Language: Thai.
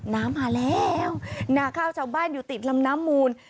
น้ำมาแล้วนาข้าวชาวบ้านอยู่ติดลำน้ำมูล